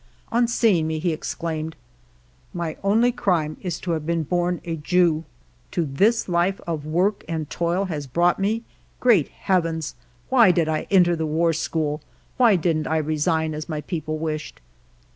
On seeing me he exclaimed :" My only crime is to have been born a Jew. To this a life of work and toil has brought me. Great heavens ! Why did I enter the War School ? Why did n't I re sign, as my people wished